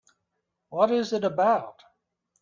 What is it about?